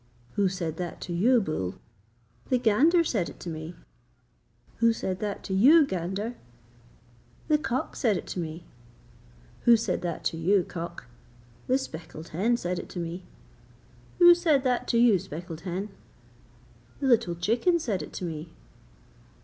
'Who said that to you, bull?' 'The gander said it to me.' 'Who said that to you, gander?' 'The cock said it to me.' 'Who said that to you, cock?' 'The speckled hen said it to me.' 'Who said that to you, speckled hen?' 'The little chicken said it to me.'